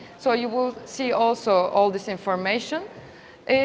jadi anda juga akan melihat semua informasi ini